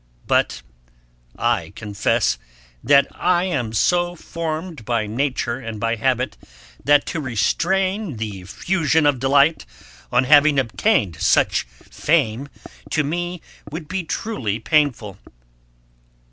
But I confess, that I am so formed by nature and by habit, that to restrain the effusion of delight, on having obtained such fame, to me would be truly painful.